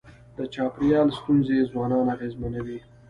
د چاپېریال ستونزې ځوانان اغېزمنوي.